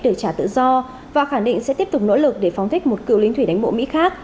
được trả tự do và khẳng định sẽ tiếp tục nỗ lực để phóng thích một cựu lính thủy đánh bộ mỹ khác